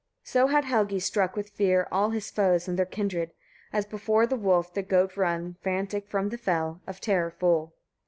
35. So had Helgi struck with fear all his foes and their kindred, as before the wolf the goats run frantic from the fell, of terror full.